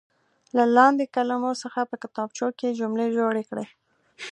له لاندې کلمو څخه په کتابچو کې جملې جوړې کړئ.